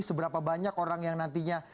seberapa banyak orang yang nantinya